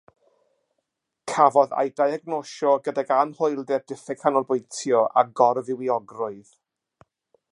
Cafodd ei diagnosio gydag anhwylder diffyg canolbwyntio a gorfywiogrwydd.